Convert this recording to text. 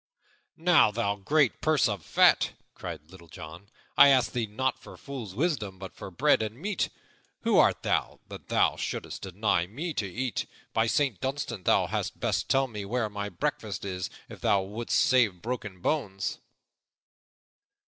"Now, thou great purse of fat!" cried Little John, "I ask thee not for fool's wisdom, but for bread and meat. Who art thou, that thou shouldst deny me to eat? By Saint Dunstan, thou hadst best tell me where my breakfast is, if thou wouldst save broken bones!"